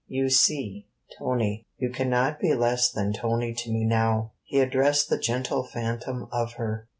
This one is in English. You see, Tony, you cannot be less than Tony to me now, he addressed the gentle phantom of her.